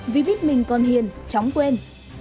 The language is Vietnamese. vì biết mình còn hiền chóng quên